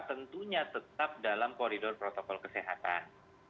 tentunya tetap dalam koridor protokol kesehatan